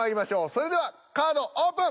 それではカードオープン！